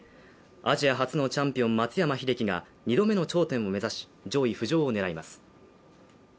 アジア初のチャンピオン松山英樹が２度目の頂点を目指し、上位浮上を狙います。